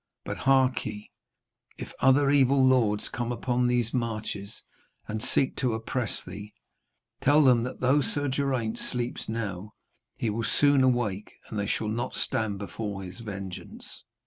But, hark ye, if other evil lords come upon these marches and seek to oppress thee, tell them that though Sir Geraint sleeps now, he will soon awake and they shall not stand before his vengeance.'